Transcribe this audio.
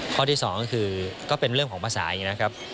ข้อที่๒ก็คือก็เป็นเรื่องของภาษาอยู่นะครับ